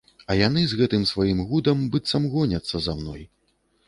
А яны з гэтым сваім гудам быццам гоняцца за мной.